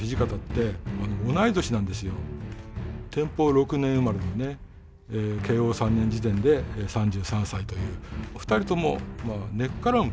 天保６年生まれのね慶応３年時点で３３歳という。